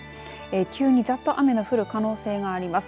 急にざっと雨の降る可能性があります。